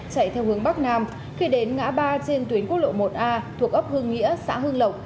chạy theo hướng bắc nam khi đến ngã ba trên tuyến quốc lộ một a thuộc ốc hương nghĩa xã hương lộc